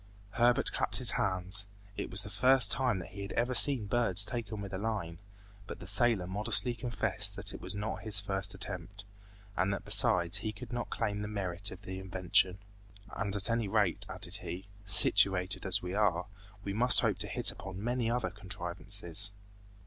Herbert clapped his hands. It was the first time that he had ever seen birds taken with a line, but the sailor modestly confessed that it was not his first attempt, and that besides he could not claim the merit of invention. "And at any rate," added he, "situated as we are, we must hope to hit upon many other contrivances."